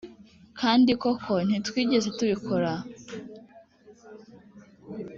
Kandi koko ntitwigeze tubikora